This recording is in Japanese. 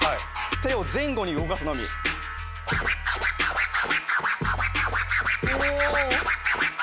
手を前後に動かすのみ。おぉ。